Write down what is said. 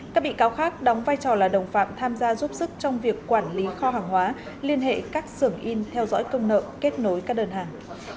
các bị cáo khác đóng vai trò là đồng phạm tham gia giúp sức trong việc quản lý kho hàng hóa liên hệ các sưởng in theo dõi công nợ kết nối các đơn hàng